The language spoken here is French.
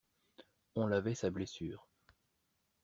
On lavait sa blessure.